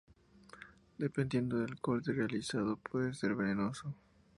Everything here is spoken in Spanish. Dependiendo del corte realizado puede ser venenoso